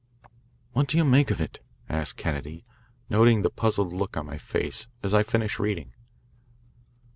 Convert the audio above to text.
"What do you make of it?" asked Kennedy, noting the puzzled look on my face as I finished reading.